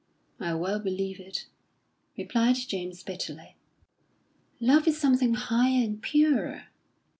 "I well believe it," replied James, bitterly. "Love is something higher and purer."